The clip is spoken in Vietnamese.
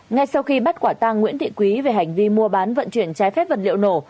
ngay sau khi bắt quả tang nguyễn thị quý về hành vi mua bán vận chuyển trái phép vật liệu nổ